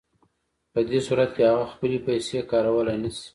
په دې صورت کې هغه خپلې پیسې کارولی نشي